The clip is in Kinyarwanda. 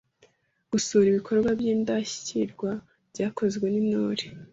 Gusura ibikorwa by’indashyikirwa byakozwe n’Intore;